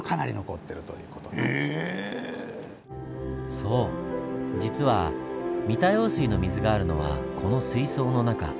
そう実は三田用水の水があるのはこの水槽の中。